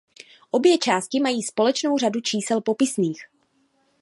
Obě části mají společnou řadu čísel popisných.